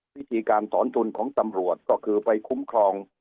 วิธีการถอนทุนของตำรวจก็คือไปคุ้มครอง